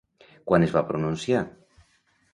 Quan es va pronunciar?